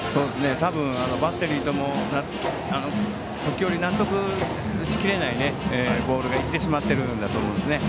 多分バッテリーとも時折、納得しきれないボールが行ってしまっているんだと思います。